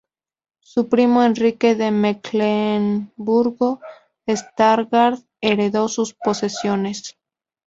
Su primo Enrique de Mecklemburgo-Stargard heredó sus posesiones.